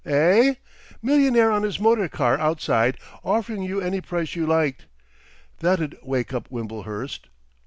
Eh? Millionaire on his motor car outside, offering you any price you liked. That 'ud wake up Wimblehurst....